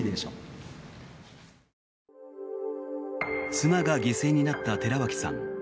妻が犠牲になった寺脇さん。